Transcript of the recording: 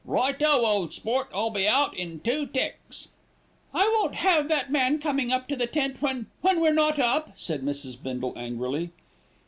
"Righto, ole sport. I'll be out in two ticks." "I won't have that man coming up to the tent when when we're not up," said Mrs. Bindle angrily.